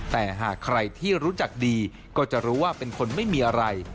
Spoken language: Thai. แต่หากใครที่รู้จักดีก็จะรู้ว่าเป็นคนไม่มีอะไร